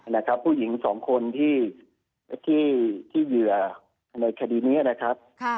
นะครับผู้หญิงสองคนที่เหยื่อในคดีนี้นะครับ